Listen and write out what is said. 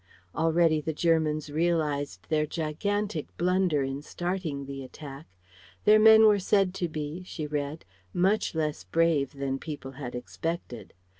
Already the Germans realized their gigantic blunder in starting the attack. Their men were said to be she read much less brave than people had expected.